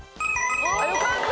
よかった。